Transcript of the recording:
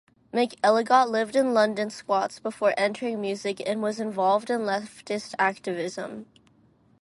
McElligot lived in London squats before entering music, and was involved in leftist activism.